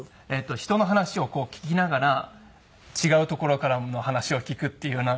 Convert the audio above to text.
人の話を聞きながら違うところからの話を聞くっていうふうな。